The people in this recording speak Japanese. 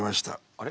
あれ？